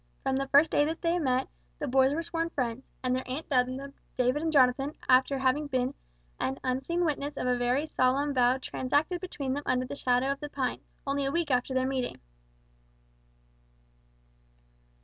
From the first day that they met, the boys were sworn friends; and their aunt dubbed them "David" and "Jonathan" after having been an unseen witness of a very solemn vow transacted between them under the shadow of the pines, only a week after their meeting.